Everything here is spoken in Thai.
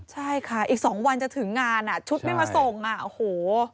ใช่ค่ะอีก๒วันจะถึงงานอ่ะชุดไม่มาส่งอ่ะโอ้โห